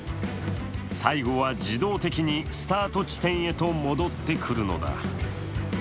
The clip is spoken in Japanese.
最後は自動的にスタート地点へと戻ってくるのだ。